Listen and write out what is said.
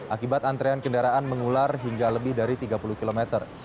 akibat antrean kendaraan mengular hingga lebih dari tiga puluh km